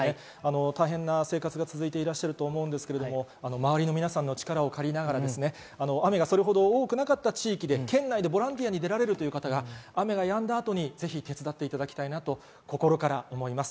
大変な生活が続いていらっしゃると思いますが、周りの皆さんの力を借りながら雨がそれほど多くなかった地域で県内でボランティアに出られる方が雨がやんだ後に手伝っていただきたいなと心から思います。